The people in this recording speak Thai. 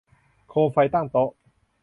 โคมไฟตั้งโต๊ะ